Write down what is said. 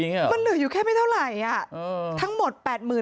มันเหลืออยู่แค่ไม่เท่าไหร่ทั้งหมด